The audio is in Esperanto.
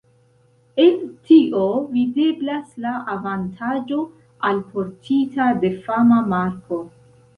El tio videblas la avantaĝo alportita de fama marko.